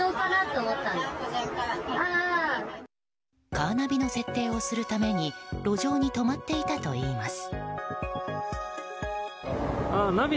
カーナビの設定をするために路上に止まっていたといいます。